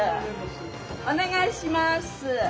お願いします。